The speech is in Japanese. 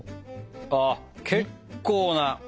ああ結構な。